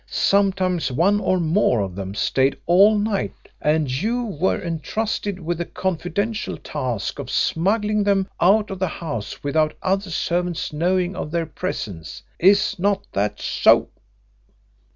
Sometimes one or more of them stayed all night, and you were entrusted with the confidential task of smuggling them out of the house without other servants knowing of their presence. Is not that so?"